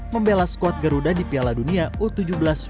membela squad garuda di piala dunia u tujuh belas dua ribu dua puluh tiga